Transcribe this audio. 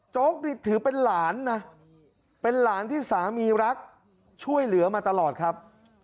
ถือเป็นหลานนะเป็นหลานที่สามีรักช่วยเหลือมาตลอดครับ